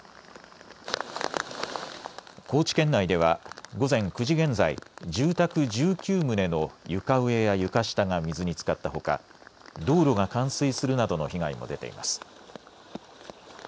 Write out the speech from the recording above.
高知県内では午前９時現在、住宅１９棟の床上や床下が水につかったほか道路が冠水するなどの被害も出ています。